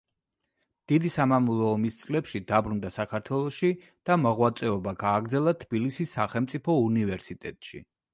დიდი სამამულო ომის წლებში დაბრუნდა საქართველოში და მოღვაწეობა გააგრძელა თბილისის სახელმწიფო უნივერსიტეტში.